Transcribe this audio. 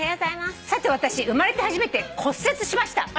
さて私生まれて初めて骨折しました」